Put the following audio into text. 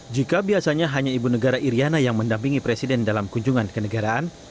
jika biasanya hanya ibu negara iryana yang mendampingi presiden dalam kunjungan ke negaraan